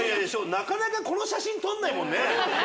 なかなかこの写真撮んないもんね。